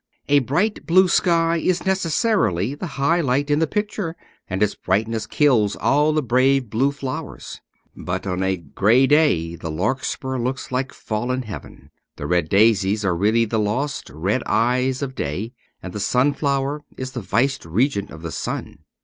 A bright blue sky is necessarily the high light in the picture, and its brightness kills all the bright blue flowers. But on a grey day the larkspur looks like fallen heaven ; the red daisies are really the lost red eyes of day, and the sun flower is the vice regent of the sun.